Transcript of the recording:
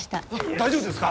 大丈夫ですか？